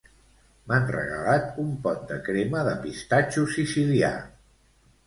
M'han regalat un pot de crema de pistatxo sicilià